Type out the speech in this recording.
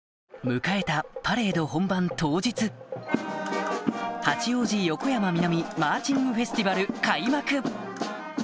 迎えたパレード本番当日八王子よこやま南マーチングフェスティバル開幕！